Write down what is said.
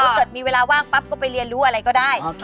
เกิดมีเวลาว่างปั๊บก็ไปเรียนรู้อะไรก็ได้